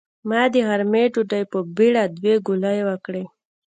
ما د غرمۍ ډوډۍ په بېړه دوې ګولې وکړې.